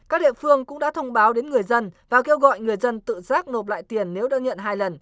các địa phương cũng đã thông báo đến người dân và kêu gọi người dân tự giác nộp lại tiền nếu đơn nhận hai lần